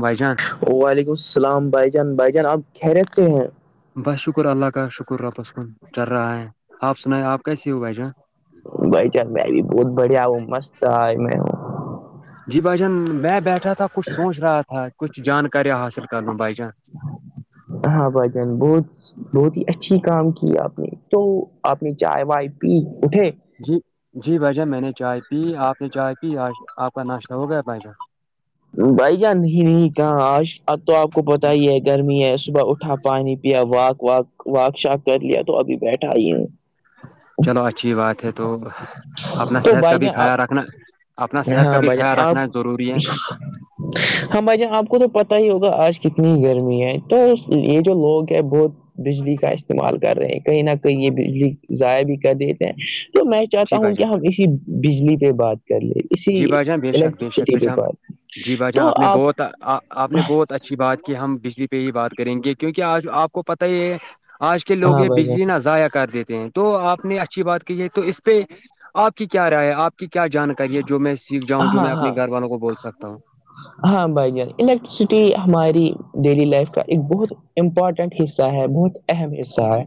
بھائی جان وعلیکم السلام بھائی جان بھائی جان آپ خیرت سے ہیں بس شکر اللہ کا شکر ربس کن چل رہا ہے آپ سنائیں آپ کیسی ہو بھجاں بھائی چار میں بھی بہت بڑھیا ہوں مست رہ میں جی بھائی جان میں بیٹھا تھا کچھ سوچ رہا تھا کچھ جانکاریاں حاصل کر لوں بھائی جان [inaudible] ہاں بائی جین بہت بہت ہی اچھی کام کی آپ نے تو آپ نے چائے وائے پی اٹھے جی جی بائیجان میں نے چائے پی آپ نے چائے پی آپ کا ناشتہ ہوگیا بائجا بھائی جان نہیں نہیں کہاں آش اب تو آپ کو پتا ہی ہے گرمی ہے صبح اٹھا پانی پیا واک واک واک شاک کر لیا تو ابھی بیٹھا ہی ہیں چلو اچھی بات ہے تو اپنا تو صحت کا بھائی بھی جان آپ خیال رکھنا اپنا صحت کا ہاں بھی بھائی خیال جان رکھنا آپ ضروری ہے ہاں بھ جان آپ کو تو پتا ہی ہوگا آج کتنی گرمی ہے تو یہ جو لوگ ہے بہت بجلی کا استعمال کر رہے ہیں کہیں نہ کہیں یہ بجلی ضائع بھی کر دیتے ہیں تو میں چاہتا جی بھائی ہوں کہ جان ہم اسی بجلی پہ بات کر لیں اسی جی بھائی جان بے شک بے شک بے الیکٹرسٹی پہ شک بات جی بھائی جان آپ نے بہت آ آپ نے بہت اچھی بات کی ہم بجلی پہ ہی بات کریں گے کیونکہ آج آپ کو پت ہی ہے آج کے لوگ ہاں یہ بھائی بجلی جان نہ ضائع کر دیتے ہیں تو آپ نے اچھی بات کہ ہے تو اس پہ آپ کی کیا رائے ہے آپ کی کیا جانکاری کریر جو میں سیک جاؤںوں جو میں ہاں ہاں اپنے گھر والوں کو بول سکتا ہوں ہاں بھائی جان الیکٹرسٹی ہماری ڈیلی لائف کا ایک بہت امپورٹنٹ حصہ ہے بہت اہم حصہ ہے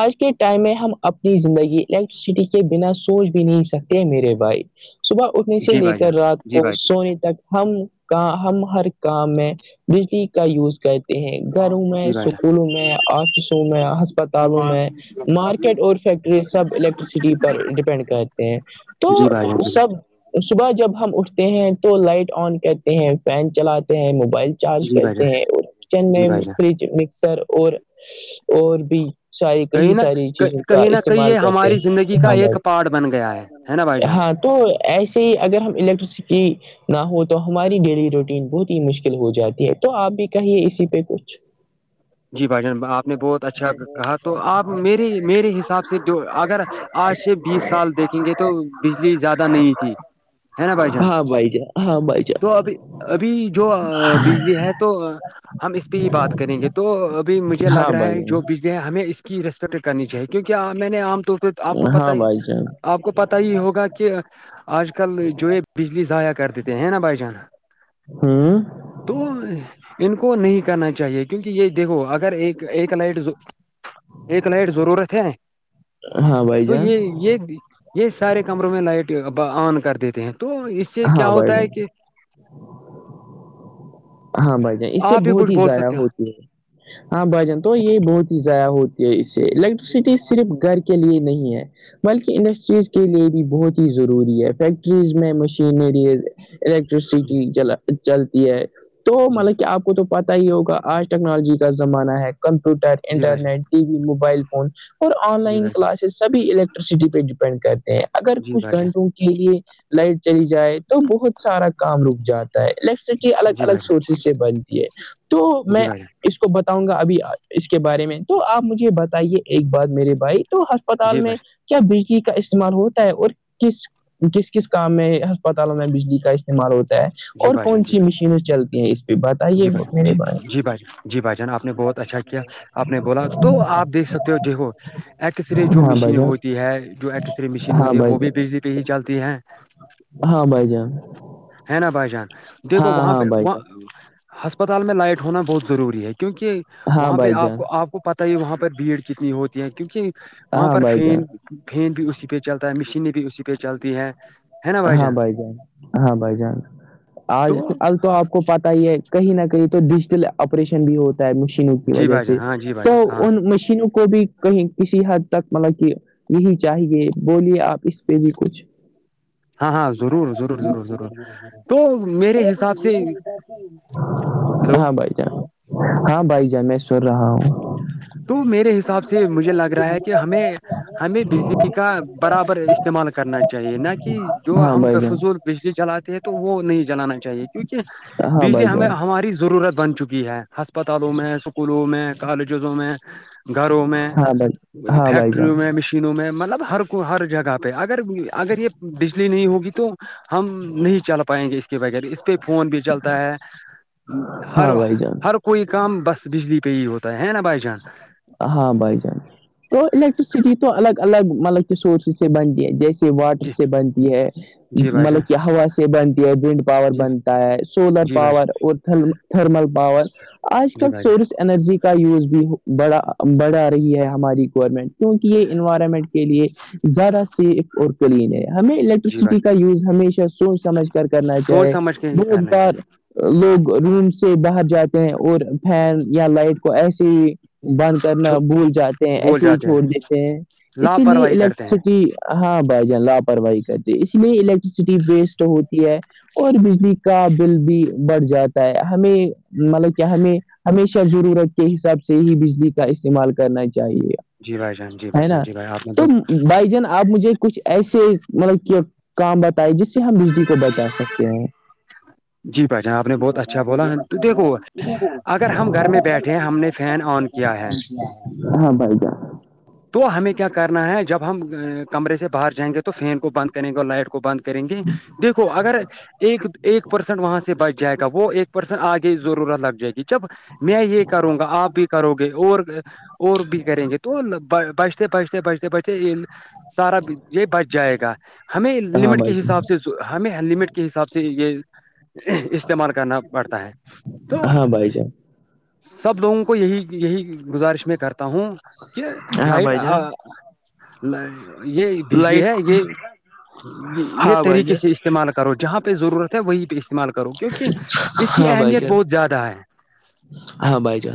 آج کے ٹائم میں ہم اپنی زندگی الیکٹرسٹی کے بنا سوچ بھی نہیں سکتے میرے بھائی صبح اٹھنے سے جی لے بھائی جان کر رات جی کو بھائی سونے تک ہم کا ہم ہر کام میں بجلی کا یوز کرتے ہیں گھروں میں جی بھائی جان اسکولوں میں آفسوں میں ہسپتالوں میں مارکیٹ اور فیکٹری سب الیکٹریسٹی پر ڈپینڈ کرتے ہیں تو جی بھائی جان سب صبح جب ہم اٹھتے ہیں تو لائٹ آن کرتے ہیں فین چلاتے ہیں موبائل چارج جی بھائی کرتے جان ہیں اور کچن جی میں بھائی جان فریج مکسر اور اور بھی ساری کئی کہیں نہ ساری چیزوں کا کہیں نہ کہیں استعمال یہ کرتے ہماری ہیں زندگی کا ہاں بھائی ایک پارٹ بن گیا ہے ہے نا بھائی جان ہاں تو ایسے ہی اگر ہم الیکٹرسٹی نہ ہو تو ہماری ڈیلی روٹین بہت ہی مشکل ہو جاتی ہے تو آپ بھی کہیے اسی پہ کچھ اچ ہ جی بھائی جان آپ نے بہت اچھا کہا تو آپ میری میرے حساب سے جو اگر آج سے بیس سال دیکھیں گے تو بجلی زیادہ نہیں تھی ہے نا بھائی جان ہاں بائے جائے تو ابھی ابھی جو بجلی ہے تو ہم اس پہ ہی بات کریں گے تو ابھی مجھے لگ ہاں رہا بھائی ہے جو جان بیزیں ہیں ہمیں اس کی ریسپیکٹ کرنی چاہیے کیونکہ میں نے عام طور پہ تو آپ کو پت ہاں ہی بھائی جان آپ کو پتا ہی ہوگا کہ آج کل جو ہے بجلی ضائع کر دیتے ہیں نا بھائی جان ہاں بھائی جان ہوں تو ان کو نہیں کہنا چاہیے کہ یہ دیکھو اگر ایک نائٹ ایک لائٹ ضرورت ہے ہاں بھائی تو جان یہ یہ یہ سارے کمروں میں لائٹ آن کر دیتے ہیں تو اس سے کیا ہاں بھائی ہوتا جان ہے کہ ہاں بھائی جان اس سے آپ بہت کچھ ہی بول زیادہ سکتے ہو ہوتی ہے ہاں بھائی جان تو یہ بہت ہی ضیادہ ہوتی اس سے الیکٹرسٹی صرف گھر کے لیے نہیں ہے بلکہ انڈسٹریز کے لیے بھی بہت ہی ضروری ہے فیکٹریز میں مشینری جی الیکٹرسٹیل چلتی ہے تو جی مطلب کہ آپ تو پتتا ہی ہوگا آج ٹیکنالوجی کا زمانہ ہے کمپیوٹر جی بھائی جان internet T V mobile phone اور آن جی لائن بھائی جان کلاسز سبھی الیکٹرسٹی پہ ڈیپینڈ کرتے ہیں اگر جی کچھ بھائی جان گھنٹوں کے لیے لائٹ چلی جائے تو بہت سارا کام رک جاتا ہے الیکٹریسٹی الگ جی بھائی الگ جان سورسز سے بنتی ہے تو جی میں بھائی جان اس کو بتاؤں گا ابھی اس کے بارے میں تو آپ مجھے بتائیے ایک بات میرے بھائی تو اسپتال جی میں بھائی کیا بجلی کا استعمال ہوتا ہے اور کس کس کس کام میں اسپتالوں میں بجلی کا استعمال ہوتا ہے جی اور بھائی جان کون جی سی بھائی مشینیں چلتی ہیں اس پہ بتائیے جی بھائی میرے جی جی بھائی جان جی بھائی جان آپ نے بہت اچھا کیا آپ نے بولا تو آپ دیکھ سکتے ہو ج ہو ایکس رے جو ہاں بھائی مشین جان ہوتی ہے جو ایکس رے مشین ہاں ہوتی ہے بھائی وہ بھی جان بجلی ہی چلتی ہیں ہاں بھائی جان ہے نا بھائی جان دیکھو ہاں وہاں ہاں پہ بھائی وہاں جان ہسپتال میں لائٹ ہونا بہت ضروری ہے کیونکہ ہاں وہاں پہ بھائی آپ جان کو آپ کو پتا وہاں پر بھیڑ کتنی ہوتی ہے کیونکہ وہاں ہاں پر بھائی جان فین فین بھی اسی پہ چلتا ہے مشینیں بھی اسی پہ چلتی ہیں ہاں بھائی جان ہاں بھائی جان آج کل تو آپ کو پتا ہی ہے کہیں نہ کہیں تو ڈیجیٹل آپریشن بھی ہوتا ہے مشینوں کی جی وجہ بھائی جان سے ہاں جی بھائی تو جان ہاں ان مشینوں کو بھی کہیں کسی حد تک مطلب کہ نہیں چاہیے بولیے آپ اس پہ بھی کچھ ہاں ہاں ضرور ضرور تو میرے ضرور حساب سے ضرور ہلو ہاں بھائی جان ہاں بھائی جان میں سن رہا ہوں تو میرے حساب سے مجھے لگ رہا ہے کہ ہمیں ہمیں بجلی کا برابر استعمال کرنا چاہی چاہے نہ کہ جو ہاں ہم بے بھائی جان فضول بجلی چلاتے ہیں تو وہ نہیں جلانا چاہیے کیونکہ ہاں بجلی بھائی ہمیں جان ہماری ضرورت بن چکی ہے ہسپتالوں میں اسکولوں میں کالج میں گھروں میں ہاں بھائی ہاں بھائی فیکٹریوں جان میں مشین چینوں میں مطلب ہر کو ہر جگہ پہ اگر اگر یہ بجلی نہیں ہوگی تو ہم نہیں چل پائیں گے اس کے بغیر اس پہ فون بھی چلتا ہے ہر ہاں بھائی جان ہر کوئی کام بس بجلی پہ ہی ہوتا ہے نا بھائی جان ہاں بھائی جان تو الیکٹرسٹی تو الگ الگ مطلب کے سورسز سے بنتی ہے جیسے واٹر جی سے بنتی ہے جی بھائی جان مطلب کہ ہوا سے بنتی ہے ونڈ پاور جی بنتا ہے سولر جی بھائی پاور اور تھرمل پا پاور آج جان جی کل بھائی جان سورس انرجی کا یوز بھی بڑا بڑھا رہی ہے ہماری گورنمنٹ کیونکہ یہ انوائرمنٹ کے لیے زیادہ سیف اور کلین ہے ہمیں جی بھائی الیکٹرسٹی کا یوز ہمیشہ سوچ سمجھ کر کرنا جان، سوچ چاہے سمجھ کے ہی بہت کرنا بار چاہیے لوگ روم سے باہر جاتے ہیں اور فین یا لائٹ کو ایسے ہی بند کرنا بھول جاتے ہیں بول ایسے ہی جاتے چھوڑ ہیں دیتے ہیں اسی لیے لاپرواہی کرتے ہیں الیکٹرسٹی ہاں بھائی جان لاپرواہی کرتے اسی لیے الیکٹرسٹی ویسٹ ہوتی ہے اور بجلی کا بل بھی بڑھ جاتا ہے ہمیں مطلب کہ ہمیں ہمیشہ ضرورت کے حساب سے ہی بجلی کا استعمال کرنا چاہیے جی بھائی جان جی بھائی ہے جان نا جی بھائی آپ نے تو بھائی جان آپ مجھے کچھ ایسے مطلب کہ کام بتائے جس سے ہم بجلی کو بچا سکتے ہیں جی بھائی جان آپ نے بہت اچھا بولا تو دیکھو اگر ہم گھر میں بیٹھے ہیں ہم نے پھر فین آن کیا ہے ہاں بائی تو ہمیں کیا کرنا ہے جب ہم کمرے سے باہر جائیں گے تو فین کو بند کریں گے لائٹ کو بند کریں گے دیکھو اگر ایک ایک پرسینٹ وہاں سے بچ جائے گا وہ ایک پرسن آگے ضرورت لگ جائے گی جب میں یہ کروں گا آپ بھی کرو گے اور اور بھی کریں گے تو بیجتے بیجتے بیجتے بیجتے سارا یہ بچ جائے گا ہمیں ہاں لمٹ بھائی کے جان حساب سے ہمیں ہیلمیٹ کے حساب سے یہ استعمال کرنا پڑتا ہے تو ہاں بھائی جان سب لوگوں کو یہی یہی گزارش میں کرتا ہوں کہ ہاں لائٹ بھائی جان یہ بجلی لائٹ ہے یہ یہ ہاں بھائی طریقے جان سے اس استعمال کرو جہاں پہ ضرورت ہے وہیں پہ استعمال کرو کیونکہ اس کی ہاں بھائی اہمیت جان بہت زیادہ ہے ہاں بائی جا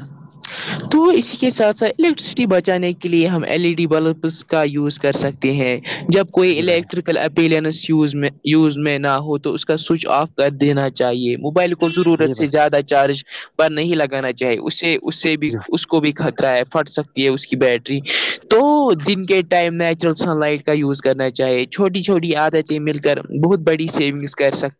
تو اسی کے ساتھ ساتھ الیکٹریسٹی بچانے کے لیے ہم ایل ای ڈی بلبس کا یوز کر سکتے ہیں جب کوئی جی بھائی الیکٹرک اپیلینس یوز یوز میں نہ ہو تو اس کا سوئچ آف کر دینا چاہیے موبائل کو ضرورت سے زیادہ چارج پر نہیں لگانا چاہیے اسے اس سے بھی جان اس کو کو بھی خطرہ ہے پھٹ سکتی ہے اس کی بیٹری تو دن کے time natural sunlight use کرنا چاہے چھوٹی چھوٹی عادتیں مل کر بہت بڑی سیونگس کر سکتے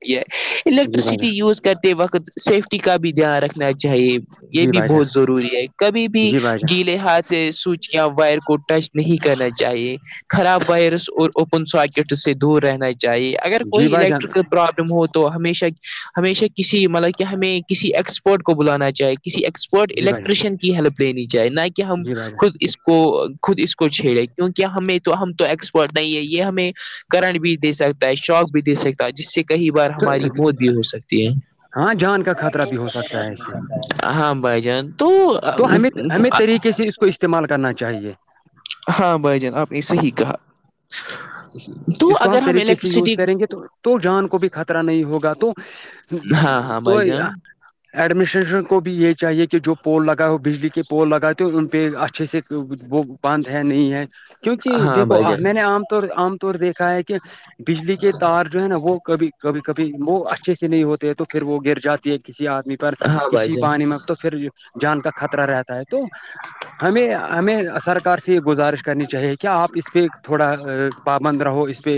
جی بھائی جی الیکٹریسٹی یوز کرتے وقت سیفٹی کا بھی دھیان رکھنا چاہیے یہ جی بھی بھائی جان بہت ضروری ہے کبھی بھی جی بھائی جان گیلے ہاتھ سے سوچیاں وائر کو ٹچ نہیں کرنا چاہیے خراب وائرس اور اوپن ساکٹ سے دور رہنا چاہیے اگر جی کوئی بھائی جان جی بھائی جان الیکٹرکل پرابلم ہو تو ہشہ ہمیشہ کسی مطلب کہ ہمیں کسی ایکسپرٹ کو بلانا چاہے کسی ایکسپرٹ جی بھائی جان الیکٹریشین کی ہیلپ لینی چاہے نہ کہ ہم جی بھائی خود اس کو خود اس کو چھیڑے کیونکہ ہمیں تو ہم تو ایکسپرٹ نہیں ہے یہ ہمیں کرٹ بھی دے سکتا ہے شوق بھی دے سکتا جس سے کئی بار ہماری جان موت بھی ہو سکتی ہے ہاں جان کا خطرہ بھی ہو سکتا ہے اس سے ہاں بھائی جان تو تو ہمیں ہمیں طریقے سے اس کو استعمال کرنا چاہیے ہاں بھائی جان آپ نے صحیح کہا تو اس کو ہم اگر طریقے سے یوز الیکٹرسٹی کریں گے تو تو جان کو بھی خطرہ نہیں ہوگا تو ہاں ہاں بھائی توئی آ جان ایڈمنسٹریشن کو بھی یہ چاہیے کہ جو پول لگائے ہو بجلی کے پول لگاتے ہو ان پہ اچھے سے وہ بند ہے نہیں ہے کیونکہ ہاں دیکھو بھائی جان میں نے عام طور عام طور دیکھا ہے کہ بجلی کے تار جو ہے نا وہ کبھی کبھی کبھی وہ اچھے سے نہیں ہوتے ہے تو پھر وہ گر جاتی ہے کسی آدمی پر ہاں بھائی کسی جان پانی میں تو پھر جان کا خطرہ رہتا ہے تو ہمیں ہمیں سرکار سے یہ گزارش کرنی چاہیے کیا آپ اس پہ تھوڑا پابند رہو اس پہ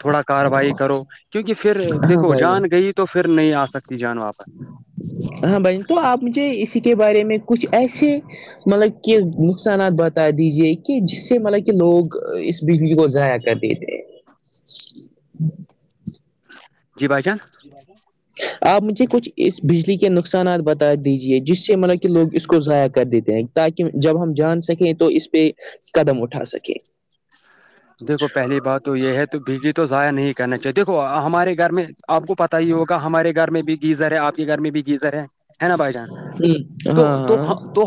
تھوڑا کاروائی کرو کیونکہ پھر ہاں دیکھو بھائی جان گئی تو پھر نہیں آ سکتی جان واپس ہاں بائی تو آپ مجھے اسی کے بارے میں کچھ ایسے مطلب کہ نقصانات بتا دیجیے کہ جس سے مطلب کہ لوگ اس بجلی کو ضائعق ربے جی بھائی چان آپ مجھے کچھ اس بجلی کے نقصانات بتا دیجیے جس سے مطلب کہ لوگ اس کو ضائع کر دیتے ہیں تاکہ جب ہم جان سکیں تو اس پہ قدم اٹھا سکیں دیکھو پہلی بات تو یہ ہے تو بجلی تو ضائع نہیں کرنا چاہیے دیکھو ہمارے گھر میں آپ کو پتا ہی ہوگا ہمارے گھر میں ب گیزر ہے آپ کے گھر میں بھی گیزر ہے ہے نا بھائی جان تو ہاں تو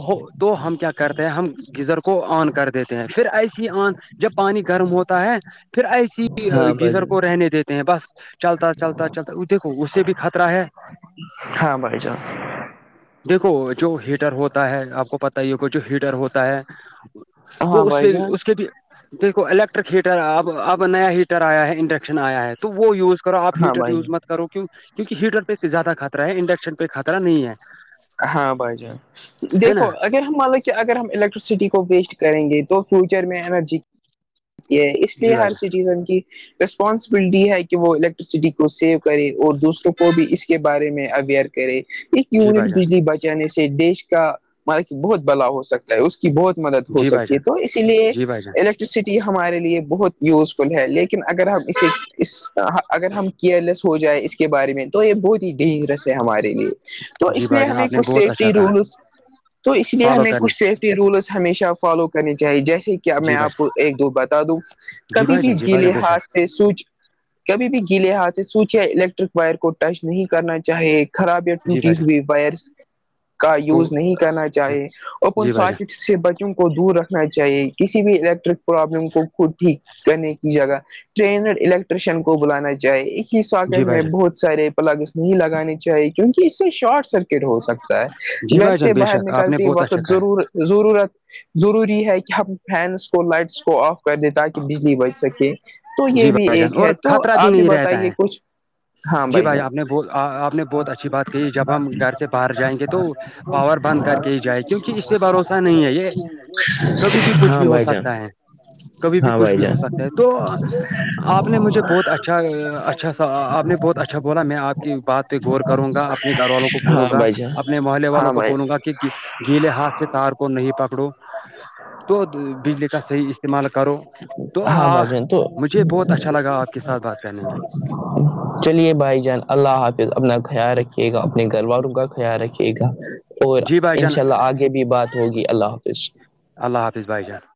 ہو تو ہم کیا کرتے ہیں ہم گیزر کو آن کر دیتے ہیں پھر ایسے ہی آن جب پانی کی گرم ہوتا ہے پھر ایسی ہاں ہاں بھائی گیزر جان کو رہنے دیتے ہیں بس چلتا چلتا چلتا دیکھو اس سے بھی خطرہ ہے ہاں بھائی جان دیکھو جو ہیٹر ہوتا ہے آپ کو پت ہی ہے کہ جو ہیٹر ہوتا ہے تو ہاں اس بھائی پہ بھی جان اس کے بھی دیک الیکٹرک ہیٹر اب اب نیا ہیٹر آیا ہے انڈکشن آیا ہے تو وہ یوز کرو آپ ہاں ہیٹر بھائی یوز جان مت کرو کی کیونکہ ہیٹر پہ زیادہ خطرہ ہے انڈکشن پہ خطرہ نہیں ہے ہاں بھائی جان ہے نا دیکھو ہمان لک کہ اگر ہم الیکٹرسٹی کو ویسٹ کریں گے تو فیوچر میں انرجی کی یہ اس جی لیے بھائی ہر جان سٹیزن کی ریسپانسبلٹی ہے کہ وہ الیکٹرسٹی کو سیو کرے اور دوسروں کو بھی اس کی کے بارے میں اویئر کرے ایک جی یونٹ بھائی جان بجلی بچانے سے دیش کا مار بہت بدلاؤ ہو سکتا اس کی بہت مدد ہو جی بھائی سکتی ہے جان تو اسی لیے جی بھائی جان الیکٹرسٹی ہمارے لیے بہت یوز ہے لیکن اگر ہم اسے اس اگر ہم کیئر لیس ہو جائے اس کے بارے میں تو یہ بہت ہی ڈینجرس ہے ہمارے لیے تو جی اس لیے بھائی جان ہمیں آپ نے کچھ بہت اچھا سیفٹی کہا رولز تو اس لیے فالو ہمیں کرنا کچھ سیفٹی رولز ہمیشہ فالو کرنی چاہیے جیسے کہ میں جی بھائی آپ جان کو ایک دو بتا دوں جی کبھی بھائی بھی جان جی بھائی گیلے جان بے شک ہاتھ سے سوج کبھی بھی گیلے ہاتھ سے سوچے الیکٹرک وائر کو ٹچ نہیں کرنا چاہے خراب یا جی ٹوٹی بھائی جان ہوئی وائرس کا کو یوز نہیں کرنا چاہے اور کون جی بھائی جان ساک سے بچوں کو دور رکھنا چاہیے کسی بھی الیکٹرک پرابلم کو خود ٹھیک کرنے کی جگہ ٹرینڈ الیکٹریشن کو بلانا چاہے ہی جی ساکٹ بھائی میں جان بہت سارے پلگس میں لگانے چاہیے کیونکہ اس سے شارٹس ہو سکتا ہے جی گھر بھائی سے جان بے باہر شک آپ نے نکلتی بہت اچھا وقت کہا ہے ضرور ضرورت ضروری ہے کہ ہم فینس کو لائٹس کو آف کر دے تاکہ بجلی بچ سکے تو جی یہ بھی بھائی جان ایک اور ہے تو خطرہ آپ بھی نہیں رہتا ہے بتائیے کچھ ہاں جی بھائی آپ جان نے بہت آ- آپ نے بہت اچھی بات کہی جب ہم س گھر سے باہر گاد جائیں سے گے تو باہر جا تو پاور بند کر کے ہی گ جائے کیونکہ اس س پہ ج بھروسہ نہیں ہے د یہ کبھی بھی نہیں ل [unintelligible] کچھ ہاں بھی ہو بھائی جان سکتا ہے کبھی بھی ہاں کچھ بھائی بھی ہو جان سکتا ہے تو تو آپ نے بہت اچھا بولا میں آپ کی بات پہ غور کروں گا اپنے گھر والوں کو بولوں گا اپنے محلے والوں ہاں کو بھائی بولوں گا کہ گیلے ہاتھ سے تار کو نہیں پکڑو تو بجلی کا صح استعمال کرو تو آ ہاں بھائی جان تو مجھے بہت اچھا لگا آپ کے ساتھ بات کرنے میں چلیے بھائی جان اللہ حافظ اپنا خیال رکھیے گا اپنے گھر والوں کا خیال رکھے گا اور جی بھائی ان جان شاء اللہ آگے بھی بات ہوگی اللہ حافظ اللہ حافظ بائی جان